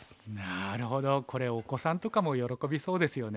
なるほどこれお子さんとかも喜びそうですよね。